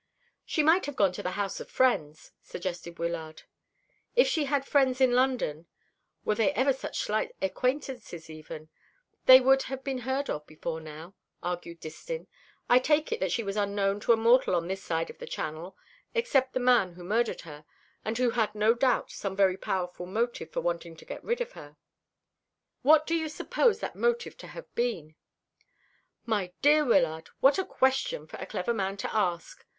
"She might have gone to the house of friends," suggested Wyllard. "If she had friends in London were they ever such slight acquaintances even they would have been heard of before now," argued Distin. "I take it that she was unknown to a mortal on this side of the Channel, except the man who murdered her, and who had no doubt some very powerful motive for wanting to get rid of her." "What do you suppose that motive to have been?" "My dear Wyllard, what a question for a clever man to ask!"